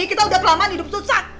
kita sudah kelamaan hidup susah